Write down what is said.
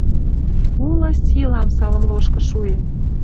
Улы силам салым лошкы шуэн